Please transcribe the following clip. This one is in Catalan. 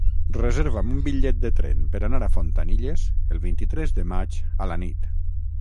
Reserva'm un bitllet de tren per anar a Fontanilles el vint-i-tres de maig a la nit.